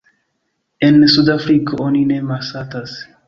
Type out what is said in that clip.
En Sudafriko oni ne malsatas.